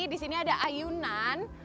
di sini ada ayunan